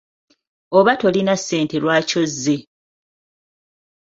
Oba tolina ssente lwaki ozze?